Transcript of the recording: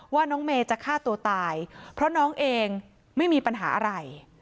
ว่าน้องเมย์จะฆ่าตัวตายเพราะน้องเองไม่มีปัญหาอะไร